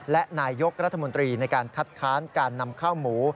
และนายยกรัฐมนตรีในการคัดค้านการนำข้าวหมู